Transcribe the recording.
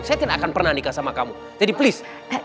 saya tidak akan pernah nikah sama kamu jadi please